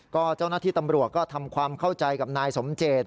ก็เจ้าหน้าที่ตำรวจก็ทำความเข้าใจกับนายสมเจต